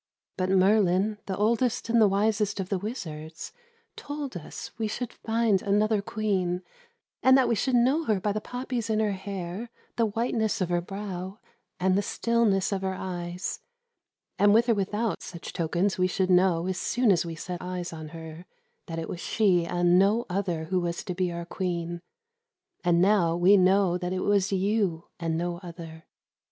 But Merlin, the oldest and the wisest of the wizards, told us we should find another Queen, and that we should know her by the poppies in her hair, the whiteness of her brow, and the stillness of her eyes, and with or without such tokens we should know, as soon as we set eyes on her, that it was she and no other who was to be our Queen. And now we know that it was you and no other.